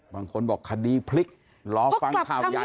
บางคนบอกคดีพลิกรอฟังข่าวใหญ่